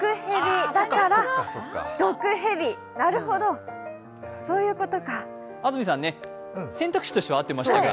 なるほど、そういうことか安住さん、選択肢としては合ってましたが。